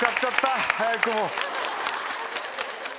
早くも。